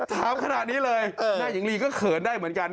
ถามขนาดนี้เลยแม่หญิงลีก็เขินได้เหมือนกัน